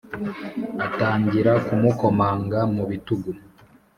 atangira kumukomanga mu bitugu.